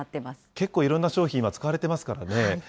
結構いろんな商品に使われてますからね。